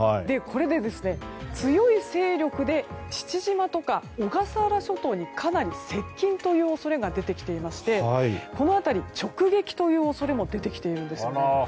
これで、強い勢力で父島とか小笠原諸島に、かなり接近という恐れが出てきていましてこの辺り、直撃の恐れも出てきているんですよね。